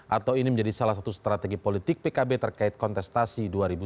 atau ini menjadi salah satu strategi politik pkb terkait kontestasi dua ribu sembilan belas